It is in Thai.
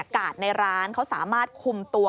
ในร้านเขาสามารถคุมตัว